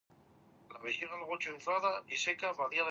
The group was confrontational and experimental.